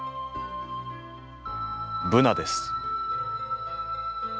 ブナです。